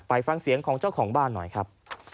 ไปฟังเสียงของเจ้าของบ้านหน่อยครับ